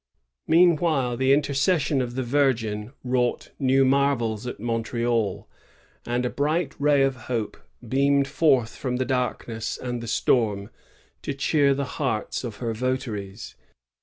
Meanwhile, the intercession of the Virgin wrought new marvels at Montreal, and a bright ray of hope beamed forth from the darkness and the storm to cheer the hearts of her votaries.